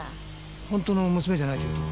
本当の娘じゃないというと？